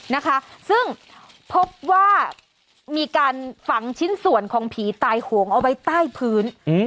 นะคะซึ่งพบว่ามีการฝังชิ้นส่วนของผีตายโหงเอาไว้ใต้พื้น